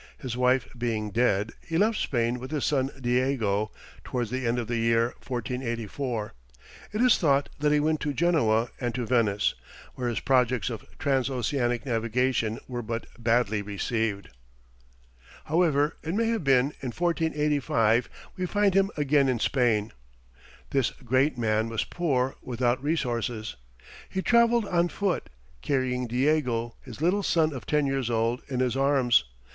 His wife being dead, he left Spain with his son Diego, towards the end of the year 1484. It is thought that he went to Genoa and to Venice, where his projects of transoceanic navigation were but badly received. [Illustration: Columbus knocks at a convent door.] However it may have been, in 1485 we find him again in Spain. This great man was poor, without resources. He travelled on foot, carrying Diego his little son of ten years old, in his arms.